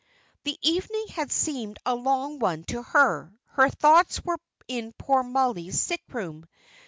The evening had seemed a long one to her; her thoughts were in poor Mollie's sick room.